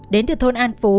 đến từ thôn an phú